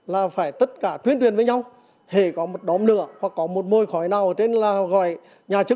là phải tất cả tuyên truyền với nhau h hề có một đốm lửa hoặc có một môi khói nào ở trên là gọi nhà chức